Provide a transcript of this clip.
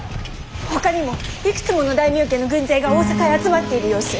ほかにもいくつもの大名家の軍勢が大坂へ集まっている様子。